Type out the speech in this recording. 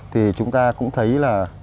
thì chúng ta cũng thấy là